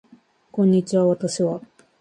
こんにちは私は